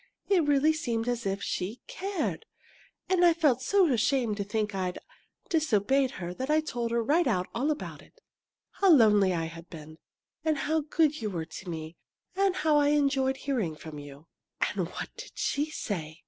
It really seemed as if she cared! And I felt so ashamed to think I'd disobeyed her that I just told her right out all about it how lonely I'd been, and how good you were to me, and how I'd enjoyed hearing from you." "And what did she say?"